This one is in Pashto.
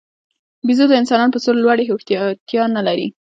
بیزو د انسانانو په څېر لوړې هوښیارتیا نه لري.